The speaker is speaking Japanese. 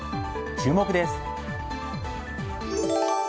注目です。